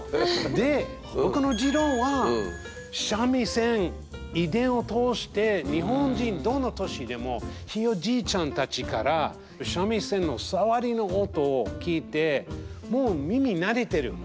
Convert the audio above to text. で僕の持論は三味線遺伝を通して日本人どの年でもひいおじいちゃんたちから三味線のサワリの音を聞いてもう耳慣れてる。